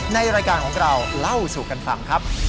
ในรายการของเราเล่าสู่กันฟังครับ